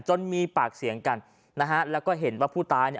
มีปากเสียงกันนะฮะแล้วก็เห็นว่าผู้ตายเนี่ย